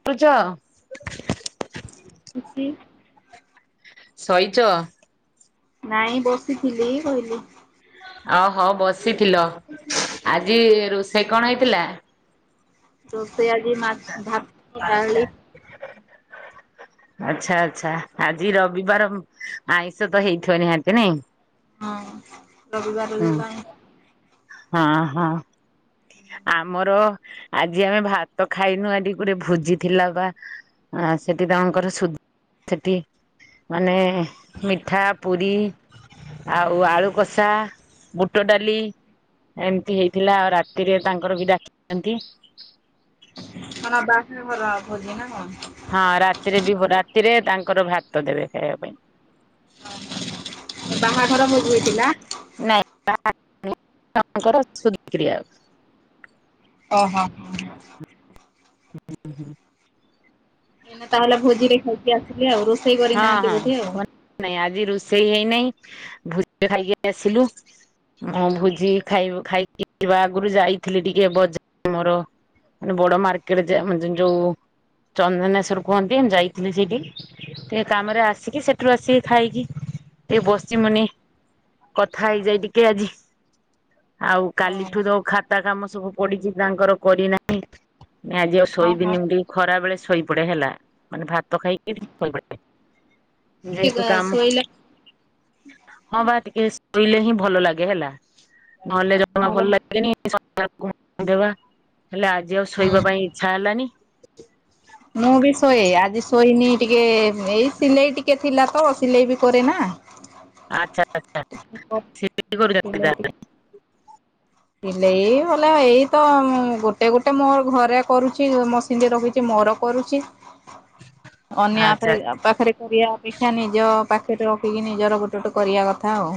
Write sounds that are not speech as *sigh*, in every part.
*inaudible* *inaudible* ଶଇଚ? ନାଇଁ, ବସିଥିଲି କହିଲି। ଅହ, ବସିଥିଲ। ଆଜି ରୋଷେଇ କ'ଣ ହେଇଥିଲା? ରୋଷଇ ଆଜି ମା *unintelligible* ଆଚ୍ଛା ଆଚ୍ଛା, ଆଜି ରବି ବାର---ଆଇଁଷ ତ ହେଇଥିବ, ନିହାତି ନାଇଁ? ହୁଁ *unintelligible* *inaudible* ଆମର ଆଜି ଆମେ ଭାତ ଖାଇନୁ, ଆଜି ଗୋ ଭୋଜି ଥିଲା ବା। ଆ ସେଠି ତାଙ୍କର ସୁ ସେଠି ମାନେ ମିଠା ପୁରି ଆଉ ଆଳୁ କଷା। ବୁଟ ଡାଲି ଏମିତି ହେଇଥିଲା ଆଉ ରାତିରେ ତାଙ୍କର ବି ଡାକିଚନ୍ତି। କଣ ବାହାଘର ଭୋଜି ନା କଣ? ହଁ ରାତିରେ ବି ରାତିରେ ତାଙ୍କର ଭାତ ଦେବେ ଖାଇବା ପାଇଁ। ବାହାଘର ଭୋଜି ହେଇଥିଲା? *unintelligible* ଙ୍କର ସୁଧିକିୟା। ଅ ହ। *unintelligible* ଏନା ତାହେଲେ ଭୋଜିରେ ଖାଇକି ଆସିଲେ ଆଉ ରୋଷେଇ ହଁ କରିନାହାନ୍ତି ହଁ। ବୋଧେ ଆଉ। ନାଇଁ ଆଜି ରୋଷେଇ ହେଇନାହିଁ ଭୁଜି ରେ ଖାଇକି ଆସିଲୁ। ମୁଁ ଭୋଜି ଖାଇବୁ ଖାଇକି ଯିବା ଆଗରୁ ଯାଇଥିଲି ଟିକେ ବଜାର ମୋର। ମାନେ ବଡ ମାର୍କେଟ ଯା ଯୋଉ ଚନ୍ଦନେଶ୍ଵର କୁହନ୍ତି ଯାଇଥିଲି ସେଇଠି। ଟିକେ କାମରେ ଆସିକି ସେଠୁ ଆସିକି ଖାଇକି ଟିକେ ବସଚି ମୁନି। କଥା ହେଇଯାଏ ଟିକେ ଆଜି। ଆଉ କାଲିଠୁ ଯୋଉ ଖାତା କାମ ସବୁ ପଡିଛି ତାଙ୍କର କରିନା। ଆଜି ଆଉ ହଁ ହଁ ଶୋଇବିନି ଟିକେ ଖରା ବେଳେ ଶୋଇପଡେ ହେଲା ମାନେ ଭାତ ଖାଇକିରି। ଯେହେତୁ ଟିକେ କାମ। ଶୋଇଲା ହଁ ବା ଟିକେ ଶୋଇିଲେ ହିଁ ଭଲ ଲାଗେ ହେଲା ନହେଲେ ଜମା ଭଲ ନହେଲେ ଲା *unintelligible* ଦବା ହେଲେ ଆଜି ଆଉ ଶୋଇବା ହୁଁ। ପାଇଁ ଇଚ୍ଛା ହେଲାନି। ମୁଁ ବି ଶୋଏ ଆଜି ଶୋଇନି ଟିକେ ଏଇ ସିଲେଇ ଟିକେ ଥିଲା ତ ସିଲେଇ ବି କରେ ନା। ଆଚ୍ଛା ଆଛା ସିଲେଇ ଟିକେ *unintelligible* ସିଲେଇ ହେଲା ଏଇ ତ ମୁଁ ଗୋଟେ ଗୋଟେ ମୋ ଘରେ କରୁଛି ମସିନ୍ ରଖିଛି ମୋର। କରୁଛି ଅନ୍ୟା ଆପ୍ ଆଚ୍ଛା ରେ ପାଖରେ କରିବା ଅପେକ୍ଷା ନିଜ ପାଖରେ ରଖିକି ନିଜର ଗୋଟେ ଗୋଟେ କରିବା କଥା ଆଉ।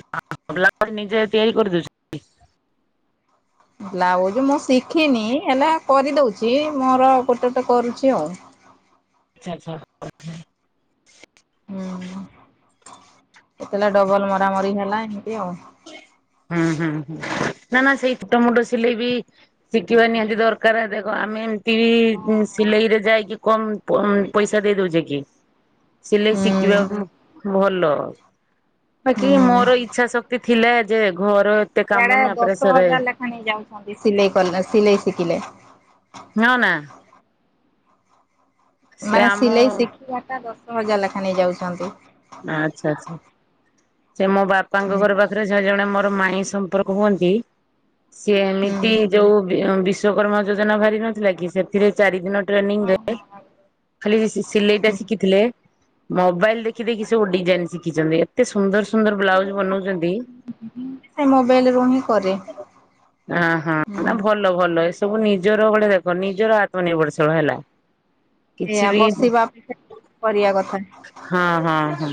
*inaudible* ପିଲା ପାଇଁ ନିଜେ ତିଆରି କରି ଦଉଛୁ। ବ୍ଲାଉଜ ମୁଁ ଶିଖିନି ହେଲା କରିଦଉଛି ମୋର ଗୋଟେ ଗୋଟେ କରୁଛି ଆଉ। ଆଛା ଆଛା *inaudible* ହୁଁ ହୁଁ ହେଲା ଡବଲ ମରାମରି ହେଲା ଏମିତି ଆଉ। ହୁଁ ହୁଁ ନା ନା ସେଇ ଫୁଟ ମୁୁଟ ସିଲେଇ ବି ଶିଖିବା ନିହାତି ଦରକାରେ ଦେଖ ଆମେ ତି ହଁ ସିଲେଇ ରେ ଯାଇକି କମ୍ ପଇସା ଦେଇ ଦଉଚେ କି? ସିଲେଇ ହଁ। ଶିଖିବାକୁ ଭଲ ହୁଁ ବାକି ହୁଁ। ମୋର ଇଚ୍ଛା ଶ ଏତେ ଥିଲା ଯେ ଘର ଏତେ ଇଆଡେ କାମନା ଦଶ ପେସରେ *inaudible* ଯାଉଛନ୍ତି ସିଲେଇ କଲା ସିଲେଇ ଶିଖିଲେ। ନ ନାଁ। ସେ ମାନେ ଆମ ସିଲେଇ ଶିଖିବାଟା ଦଶ ହଜାର ଲାଖା ନେଇ ଯାଉଛନ୍ତି। ଆଚ୍ଛା ଆଚ୍ଛା। ସେ ମୋ ବାପାଙ୍କ ଘର ପାଖରେ ଜ ଜଣେ ମୋର ମାଇଁ ସମ୍ପର୍କ ହୁଅନ୍ତି। ସିଏ ହଁ ଏମିତି ଯୋଉ ବି ବିଶ୍ଵକର୍ମା ଯୋଜନା ବାହାରି ନଥିଲା କି ସେ ଏଥିରେ ଚାରି ଦିନ ହଁ ଟ୍ରେନିଂରେ ହଁ। ଖାଲି ସି ସିଲେଇ ଟା ଶିଖିଥିଲେ। ମୋବାଇଲ ଦେଖି ଦେଖି ସବୁ ଡିଜାଇନ ଶିଖିଚନ୍ତି ଏତେ ସୁନ୍ଦର ସୁନ୍ଦର ବ୍ଲାଉଜ୍। ବନଉଚନ୍ତି ସେ ମୋବାଇଲ ରୁ ହିଁ କରେ ହାଁ ହଁ ହୁଁ ନାଁ ଭଲ ଭଲ ଭଲ ଏ ସବୁ ନିଜର ଗୋଟେ ଦେଖ ନିଜର ଆତ୍ମନିର୍ଭରଶୀଳ ହେଲା। କିଛି ଏଆ ବି ବସିବା ଅପେକ୍ଷା କରିବା କଥା। ହଁ ହଁ ହଁ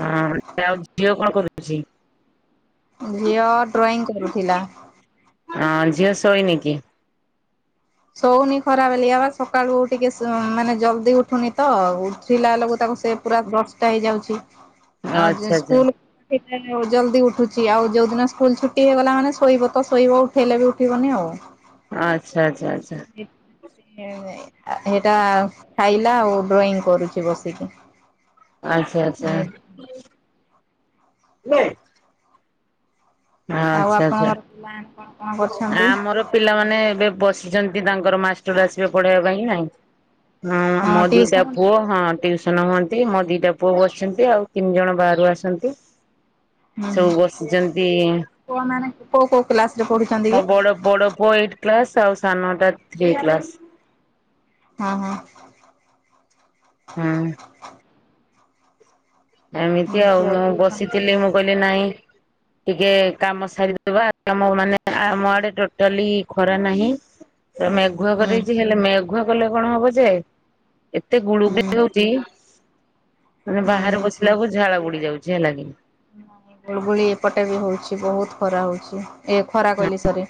ହଁ ଆଉ ଝିଅ କଣ କରୁଚି? ଝିଅ ଡ୍ରଇଂ କରୁଥିଲା। ଅ ଝିଅ ଶୋଇନି କି? ଶଉନି ଖରାବାଲିଆ ହେଲି ସକାଳୁ ଟିକେ ମାନେ ଜଲ୍ଦି ଉଠୁନି ତ ଉଠିଲ ବେଳକୁ ତାକୁ ସେ ପୁରା ଦଷ୍ଟା ହେଇଯାଉଚି ଆ ଜ ଆଚ୍ଛା ଆଚ୍ଛା। ସ୍କୁଲ୍ ସେଟଉ ଜଲ୍ଦି ଉଠୁଚି ଆଉ ଯୋଉଦିନ ସ୍କୁଲ ଛୁଟି ହେଇଗଲା ମାନେ ଶୋଇବ ତ ଶୋଇବ ଉଠେଇଲେ ବି ଉଠିବନି ଆଉ। ଆଚ୍ଛା ଆଚ୍ଛା ଆଚ୍ଛା *unintelligible* ଏ -ସେଟା ଖାଇଲା ଆଉ ଡ୍ରଇଂ କରୁଚି ବସିକି। ଆଚ୍ଛା ଆଚ୍ଛା। ହଁ ଆଉ ଆଚ୍ଛା ଆଚ୍ଛା ଆପଣଙ୍କର ପିଲାମାନେ କଣ କଣ ଆ କରିଛନ୍ତି? ଆମର ପିଲାମାନେ ଏବେ ବସି ଆସିଛନ୍ତି ତାଙ୍କର ମାଷ୍ଟର ଆସିବେ ପଢେଇବା ପାଇଁ ନାଇଁ। ହଁ ମୋ ଦିଟା ଟିଉସନ ନା ପୁଅ ହଁ ଟିଉସନ୍ ହୁଅ ନ୍ତି ମୋ ଦିଟା ପୁଅ ବସିଛନ୍ତି ଆଉ ତିନି ଜଣ ବାହାରୁ ଆସନ୍ତି ହୁଁ ହୁଁ ସବୁ ବସିଛନ୍ତି। ନ୍ତି। ପୁଅ ମାନେ କୋଉ କୋଉ କ୍ଲାସର ରେ ପଢୁ ମୋ ବଡ ବଡ ପୁଅ ଏଇଟି କ୍ଲାସ୍ ଆଉ ସାନଟା ଥ୍ରୀ କ୍ଲାସ୍। ହଁ ହଁ ହୁଁ ଏମିତି ଆଉ ମୁଁ ବସିଥିଲି ମୁଁ କହିଲି ନାଇଁ। ଟିକେ କାମ ସାରିଦବା କାମ ମାନେ ଆମ ଆଡ଼େ ଟୋଟାଲି ଖରା ନାହିଁ। *inaudible* ତ ମେଘୁଆ ହୁଁ କରେଇଚି ହେଲେ ମେଘୁଆ କଲେ କଣ ହବ ଯେ। ଏତେ ହୁଁ ଗୁଳୁଗୁଳି ହଉଚି ମାନେ ବାହାରେ ହୁଁ। ବସି ସବୁ ଝାଳ ବୁଡି ଯାଉଚି ହେଲା କିି। ଏ ଗୁଳଗୁଳି ଏପଟେ ବି ହଉଚି ବହୁତ୍ ଖରା ହଉଚି ଏ ଖରା କହିଲି ସରି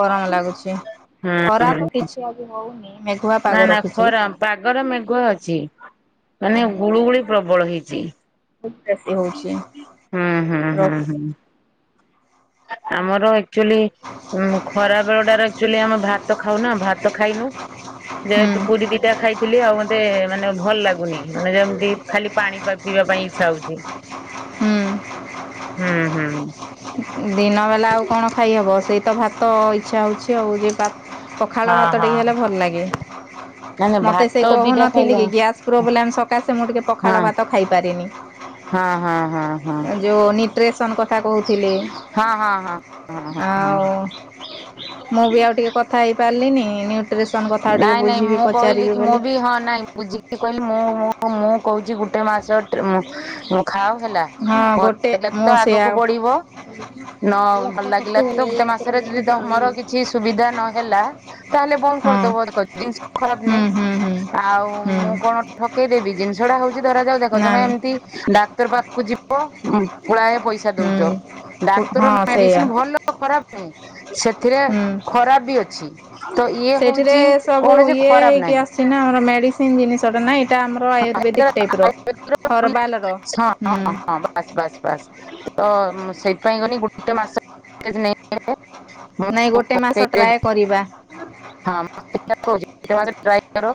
ଗରମ ଲାଗୁଚି। ହୁଁ ଖରା ତ କିଛି ଆଜି ହଉନି। ମେଘୁଆ ପାଗ ନାଁ ନାଁ ରଖିଛି। ଖରା ପାଗତ ମେଘୁଆ ଅଛି ମାନେ ଗୁଳୁଗୁଳି ପ୍ରବଳ ହେଇଚି। ବହୁତ୍ ବେସି ହଉଚି ହୁଁ ର ହୁଁ ହୁଁ ଆମର ଏ ଆଚୁଲି ଉ ଖରା ବେଳଟାରେ ଆଚୋଲି ଆମେ ଭାତ ଖାଉନା ଭାତ ଖାଇନୁ। ହୁଁ ଯେହେତୁ ପୁରୀ ଦିଟା ଖାଇଥିଲି ଆଉ ମତେ ମାନେ ଭଲ ଲାଗୁନି ମାନେ ଯେମିତି ଖାଲି ପାଣି। ପାଣି ପା ପିଇବା ପାଇଁ ଇଚ୍ଛା ହଉଚି ହୁଁ ହୁଁ ହୁଁ। ଦିନବେଲା ଆଉ କଣ ଖାଇ ହେବ ସେଇତ ଭାତ ଇଚ୍ଛା ହେଉଛି ଆଉ ଯେ ପା -ପ - ହଁ ଖାଳଭାତ ଟିକେ ହେଲେ ହଁ। ଭଲ ଲାଗେ ନା ନା ମତେ ସେ ଭାତ ଦିଟା ଖାଇଲା କହୁନଥିଲିକି ଗ୍ୟାସ୍ ପ୍ରୋବ୍ଲେମ ସକାଶେ ମୁଁ ଟିକେ ପଖାଳ ହଁ ଭାତ ଖାଇପାରେନି ହଁ ହଁ ହଁ ହଁ ହଁ ହଁ ଯେଉଁ ନ୍ୟୁଟ୍ରିସନ୍ କଥା କହୁଥିଲେ ହଁ। ହଁ ହଁ ହଁ ଆଉ ମୁଁବି ଆଉ ଟିକେ କଥା ହେଇପାରିଲିନି ନ୍ୟୁଟ୍ରିସନ୍ କଥା ଆଉ ଟିକେ ନାଇଁ ନାଇଁ ବୁଝିବି ମୁଁ ପଚାରିବି କହିଲିକି ମୁଁ ବୋଲି। ବି ହଁ ନାଇଁ ବୁଝିକି କହିଲି ମୁଁଁ ମୁଁ ହ ମୁଁ କହୁଛି ଗୋଟେ ମାସ ଖାଅ ହେଲା ହଁ ଭଲ ଗୋଟେ ଲାଗିଲେଣ ମୁଁ ତ ସେଇଆ ଆଗକୁ ଏଇ ବଢିବ ନ ଭଲ ଆପଟା ଲାଗିଲା କାଟିବନି ତ ଏଇ ଗୋଟେ ଆପରେ ମାସରେ ମୋର ଯଦି ଡ୍ରଇଂ। ତମର କିଛି ସୁବିଧା ନ ହେଲା ତାହେଲେ ବନ୍ଦ ହଁ କରିଦବ *unintelligible* ଜିନିଷ ଖରାପ ହୁଁ ନାହିଁ। ହୁଁ ହୁଁ ଆଉ ହୁଁ ମୁଁ କଣ ଠକେଇଦେବି ଜିନିଷଟା ହଉଛି ଧରାଜାଉ ଦେଖ ନା ତମେ ନା ଏମିତି ଡାକ୍ତର ପାଖକୁ ଯି ବ ପୁଳାଏ ପଇସା ଦଉଛ। ହୁଁ ଡାକ୍ତର ହଁ ସେଇଆ ମେଡିସିନ ଭଲ ଖରାପ ନାହିଁ ସେଥିରେ ଖରାପ ବି ଅଛି। ତ ଇଏ ସେଠିରେ ହଉଛି ସବୁ କୌଣସି ଇଏ ଖରାପ ହେଇକି ନାହିଁ ଆସୁଛିନା ଆମର ମେଡିସିନ ଜିନିଷଟା ନାଇଁ ଏଇଟା ଆମର ଆୟୁର୍ବେଦିକ। ଟାଇପର ହରବାଲର ହଁ ହଁ ହୁଁ। ବାସ୍, ବାସ୍, ବାସ୍। ତ ସେଇଥିପାଇଁ ଗନି ଗୋଟେ ମାସ ନାଇଁ ଗୋଟେ ମାସ ଟ୍ରାଏ କରିବା। *unintelligible* ଗୋଟେ ମାସ ଟ୍ରାଏ କର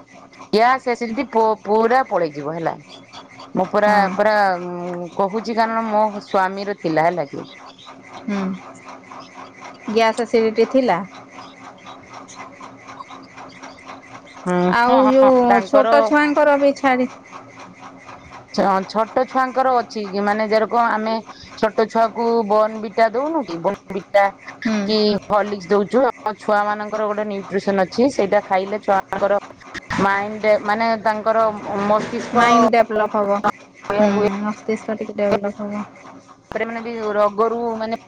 ଗ୍ୟାସ୍ ଏସିଡିଟି ପୋ ପୁରା ପଳେଇଯିବ ହେଲା ମୁଁ ପୁରା ହଁ ପୁରା କହୁଛି କାରଣ ମୋ ସ୍ଵାମୀର ଥିଲା ହେଲାକି। ହୁଁ, ଗ୍ୟାସ ଏସିଡିଟି ଥିଲା? ହୁଁ *inaudible* ଆଉ ହଁ ହଁ ଯୋଉ ତାଙ୍କର ଛୋଟ ଛୁଆଙ୍କରବି ଛାଡି ହଁ ଛୋଟ ଛୁଆଙ୍କର ଅଛିକି ମାନେ ଯେରାକ ଆମେ ଛୋଟ ଛୁଆକୁ ବର୍ଣ୍ଣବିଟା ଦଉନୁ କି ବର୍ଣ୍ଣବିଟା ହୁଁ କି ହର୍ଲିକ୍ସ ଦେଉଛୁ ଆମ ଛୁଆ ମାନଙ୍କର ଗୋଟେ ନ୍ୟୁଟ୍ରିସନ ଅଛି ସେଇଟା ଖାଇଲେ ଛୁଆଙ୍କର ମାଇଣ୍ଡ ମାନେ ତାଙ୍କର ମ ମସ୍ତିଷ୍କ ମାଇଣ୍ଡ ଡେଭଲପ ହେବ ହୁଁ ହୁଏ ମସ୍ତିଷ୍କ ଟିକେ ଡେଭଲପ ହେବ। ତା ପରେ ମାନେ ବି ରୋଗରୁ ମାନେ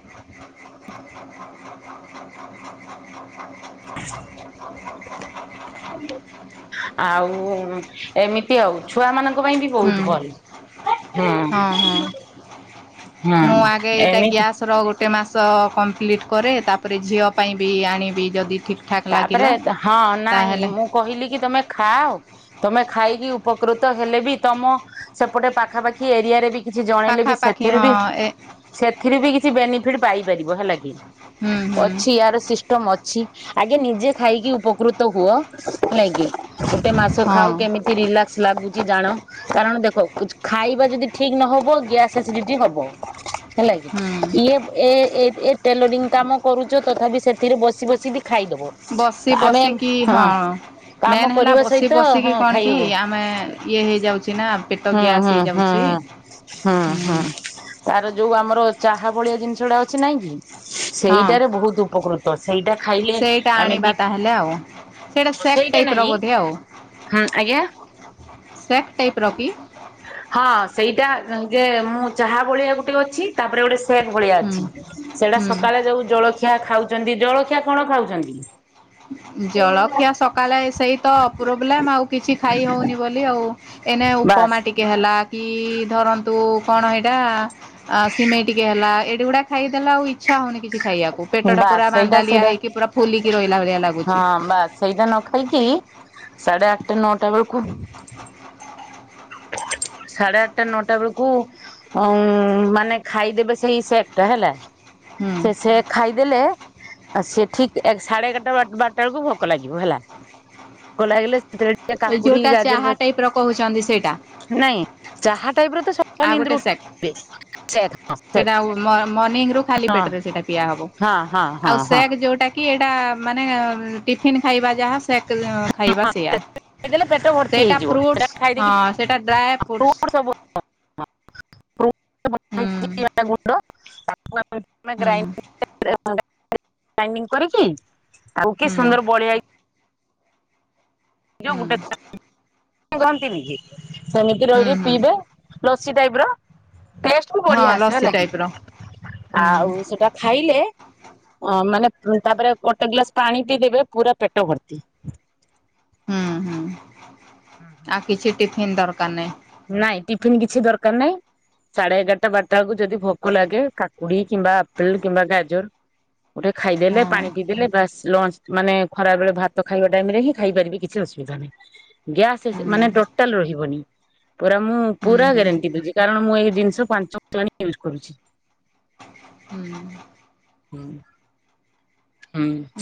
ଆଉ ଏମି ତି ଆଉ ଛୁଆ ମାନଙ୍କ ପାଇଁ ବି ହୁଁ ବହୁତ ଭଲ। ହଁ ହଁ ହୁଁ। ହଁ ମୁଁ ଆଗେ ଏଇଟା ଏମିତି ଗ୍ୟାସ୍ ର ଗୋଟେ ମାସ କପ୍ଲିଟ୍ କରେ ତାପରେ ଝିଅ ପାଇଁବି ଆଣିବି ଯଦି ଠିକ ଠାକ୍ ତାପରେ ଲାଗିଲା ହଁ ନାଇଁ ତାହେଲେ ମୁଁ କହିଲିକି ତମେ ଖାଅ ତମେ ଖାଇକି ଉପକୃତ ହେଲେ ବି ତମ ସେପଟେ ପାଖାପାଖି ଏରିଆରେ ବି କିଛି ଜଣେଇଲେ ବି ପାଖାପାଖି ସେଥିରୁ ବି ହଁ ଏ ସେଥିରେବି କିଛି ବେନିଫିଟ ପାଇପାରିବ ହେଲାକି ହୁଁ ହୁଁ ଅଛି ୟାର ସିଷ୍ଟମ ଅଛି। ଆଗେ ନିଜେ ଖାଇକି ଉପକୃତ ହୁଅ ହେଲାକିି ଗୋଟେ ମାସ ଖାଅ ହଁ କେ ମିତି ରିଲାକ୍ସ ଲାଗୁଛି ଜାଣ କାରଣ ଦେଖ ଖାଇବା ଯଦି ଠିକ୍ ନ ହବ ଗ୍ୟାସ ଏସିଡିଟି ହବ। ହେଲା କିି ହୁଁ ଇଏ ଏ ଏ ଟେଲରିଂ କାମ କରୁଛ ତଥାପି ସେଥିରେ ବସି ବସି ବି ଖାଇଦବ ବସି ଆମେ ବସିକି ହଁ କାମ ମେନ୍ ହେଲା କରିବା ବସି ସହିତ ବସିକି ହଁ କଣକି ଖାଇହବ ଆମେ ଇଏ ହେଇଯାଉଛି ନା ପେଟ ଗ୍ୟାସ୍ ହେଇଯାଉଛି। ହଁ, ହୁଁ ହଁ। ତାର ଯୋଉ ଆମର ଚାହା ଭଳିଆ ଜିନିଷଟା ଅଛି ନାଇଁକି ହଁ ସେଇଟାରେ ବହୁତ ଉପକୃତ ସେଇଟା ଖାଇଲେ ସେଇଟା ଆମେ ଆଣିବା ଦି ତାହେଲେ ଆଉ। ସେଇଟା ସେକ୍ ସେଇଟା ଟାଇପ୍ ର ନାହିଁ ବୋଧେ ଆଉ ହୁଁ ଆଜ୍ଞା ସେକ୍ ଟାଇପ୍ ର କି? ହଁ ସେଇଟା ଯେ ମୁଁ ଚାହା ଭଳିଆ ଗୋଟେ ଅଛି ତାପରେ ଗୋଟେ ସେକ୍ ଭଳିଆ ହୁଁ ଅଛି ସେଟା ହୁଁ। ସକାଳେ ଯୋଉ ଜଳଖିଆ ଖାଉଛନ୍ତି, ଜଳଖିଆ କଣ ଖାଉଛନ୍ତି? ଜଳଖିଆ ସକାଳେ ସେଇତ ପ୍ରୋବ୍ଲେମ୍ ଆଉ କିଛି ଖାଇ ହଉନି ବୋଲି ଆଉ। ଏନେ ଉପମା ବାସ୍ ଟିକେ ହେଲା କି ଧରନ୍ତୁ କଣ ଏଇଟା ଅ ସିମେଇ ଟିକେ ହେଲା ଏଗୁଡା ଖାଇଦେଲେ ଆଉ ଇଚ୍ଛା ହଉନି କିଛି ଖାଇବାକୁ। ପେଟଟା ବାସ୍ ପୁରା ସେଇଟା ମାନ୍ଦାଲିଆ ସେଇଟା ହେଇକି ପୁରା ଫୁଲିକି ରହିଲା ଭଳି ହଁ ବାସ୍ ସେଇଟା ନ ଖାଇକି ସାଢେ ଆଠଟା ନଅଟା ବେଳକୁ ସାଢେ ଆଠଟା ନଅଟା ବେଳକୁ ଅଉଁ ମାନେ ଖାଇଦେବେ ସେଇ ସେଟ୍ ଟା ହେଲା ହୁଁ ସେ ସେ ଖାଇଦେଲେ ଆଉ ସେ ଠିକ୍ ଏ ସାଢେ ଏଗାରଟା ବାର ବାରଟା ବେଳକୁ ଭୋକ ଲାଗିବ ହେଲା। ଭୋକ ଲାଗିଲେ ସେତେବେଳେ ଟିକିଏ କାକୁଡି, ଗାଜର ଫା କୋହୁଚନ୍ତି ସେଇଟା। ନାଇଁ ଚାହା ଟାଇପର ତ *inaudible* ଆଉ ଗୋଟେ ନିଦରୁ ସେକ୍। ଉଠିବେ। *inaudible* ହଁ। ସେଟା ଦିଆ ହବ। ହଁ ହଁ ହଁ ଆଉ ହଁ। ସେକ୍ ଯୋଉଟା କି ଏଟା ମାନେ ଉଁ ଟିଫିିନ୍ ଖାଇବା ଯାହା ସେ *unintelligible* ଖାଇବା ସେୟା ଖାଇଦେଲେ ପେଟ ଭର୍ତ୍ତି ସେଇଟା ହେଇଯିବ ଫ୍ରୁଟସ୍ ସେଟା ହଁ ଖାଇଦେଇକି ସେଇଟା ଡ୍ରାଏ ଫ୍ରୁଟସ୍। ଫ୍ରୁଟ ସବୁ *inaudible* *inaudible* ହୁଁ ହୁଁ ହୁଁ ଗ୍ରାଇଣ୍ଡିଙ୍ଗ କରିକି ଆଉ କି ହୁଁ ସୁନ୍ଦର *unintelligible* ଯୋଉ ହୁଁ ଗୁଟେ କହନ୍ତିନିକି ସେମିତି ରହି ରହି ହୁଁ ପିଇବେ। ଲସି ଟାଇପର ଟେଷ୍ଟ ବି ବଢିଆ ହଁ ଆସେ ଲସି ହେଲାକି ଟାଇପ ର ହୁଁ ଆଉ ସେଟା ଖାଇଲେ ଅଁ ମାନେ ଉଁ ତାପରେ ଗୋଟେ ଗ୍ଲାସ ପାଣି ପିଇଦେବେ ପୁରା ପେଟ ଭର୍ତ୍ତି। ହୁଁ ହୁଁ ଆଉ କିଛି ଟିଫିନ୍ ଦରକାର ନାହିଁ। ନାଇଁ ଟିଫିିନ୍ କିଛି ଦରକାର ନାଇଁ। ସାଢେ ଏଗାରଟା ବାରଟା ବେଳକୁ ଯଦି ଭୋକ ଲାଗେ କାକୁଡି କିମ୍ବା ଆପେଲ କିମ୍ବା ଗାଜର ଗୋଟେ ଖାଇଦେଲେ ହଁ ପାଣି ପିଇ ଦେଲେ ବାସ୍ ଲଞ୍ଚ ମାନେ ଖରାବେଳେ ଭାତ ଖାଇବା ଟାଇମରେ ହିଁ ଖାଇପାରିବେ କିଛି ଅସୁବିଧା ନାହିଁ। ଗ୍ୟାସେ ସେ ହୁଁ ମାନେ ଟୋଟାଲ ରହିବନି। ପୁରା ମୁଁ ହୁଁ ପୁରା ହୁଁ ଗ୍ୟାରେଣ୍ଟି ଦୋଉଚି କାରଣ ମୁଁ ଏଇ ଜିନିଷ ପାଞ୍ଚ *inaudible* ର୍ଷ ହେଲାଣି ୟୁଜ୍ କରୁଛି। ହୁଁ। ହୁଁ।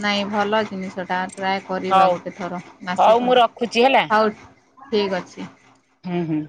ନାଇଁ ଭଲ ଜିନିଷଟା ଟ୍ରାଏ କରିବା ହଉ ଗୋଟେ ଥର ମାସେ ହଉ ମୁଁ ଖଣ୍ଡେ। ରଖୁଛି ହେଲା। ଆଉ ଠିକ୍ ଅଛି। ହୁଁ ହୁଁ।